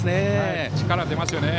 力が出ますよね。